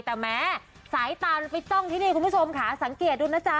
แต่แม้สายตามันไปจ้องที่นี่คุณผู้ชมค่ะสังเกตดูนะจ๊ะ